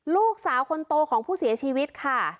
ลูกสาวคนโตของผู้เสียชีวิตค่ะ